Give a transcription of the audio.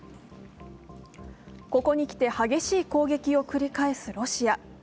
ここに来て、激しい攻撃を繰り返すロシア。